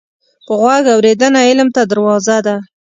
په غوږ اورېدنه علم ته دروازه ده